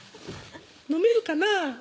「飲めるかなぁ」